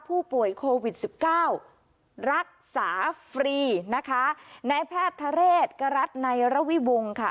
ผู้ป่วยโควิดสิบเก้ารักษาฟรีนะคะในแพทย์ทะเรศกรัฐในระวิวงศ์ค่ะ